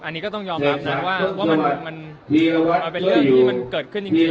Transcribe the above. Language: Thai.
อันนี้ก็ต้องยอมรับนะว่าว่ามันมันมันเป็นเรื่องมันเกิดขึ้นจริงจริง